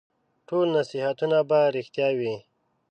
ټول نصیحتونه به رېښتیا وي ؟